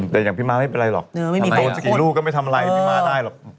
แต่อย่างพี่ม้าไม่เป็นไรหรอกมีโดนสักกี่ลูกก็ไม่ทำอะไรพี่ม้าได้หรอก